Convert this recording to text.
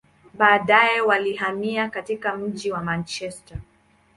Baadaye, walihamia katika mji wa Manchester.